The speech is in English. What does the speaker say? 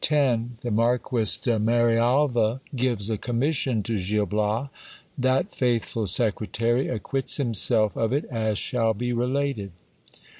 — The Marquis de Marialva gives a commission to Gil Bias. That faithful secretary acquits himself of it as shall be related.